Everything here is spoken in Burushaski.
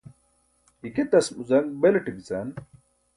ike tasmuzaṅ belaṭe bican?